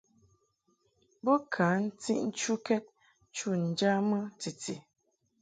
Bo ka tiʼ nchukɛd chu ŋjamɨ titi.